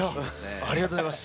ありがとうございます。